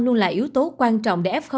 luôn là yếu tố quan trọng để f